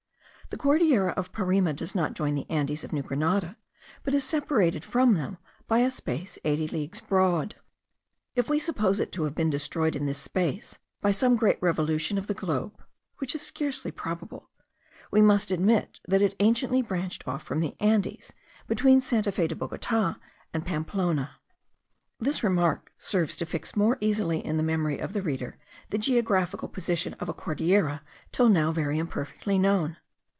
The Cordillera of Parime does not join the Andes of New Grenada, but is separated from them by a space eighty leagues broad. If we suppose it to have been destroyed in this space by some great revolution of the globe (which is scarcely probable) we must admit that it anciently branched off from the Andes between Santa Fe de Bogota and Pamplona. This remark serves to fix more easily in the memory of the reader the geographical position of a Cordillera till now very imperfectly known.